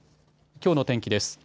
きょうの天気です。